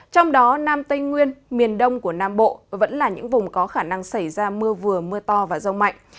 trong đó nam tây nguyên miền đông của nam bộ vẫn là những vùng có khả năng xảy ra mưa vừa mưa to và rông mạnh